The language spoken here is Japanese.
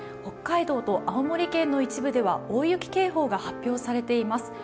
北海道と青森県の一部では大雪警報が発表されています。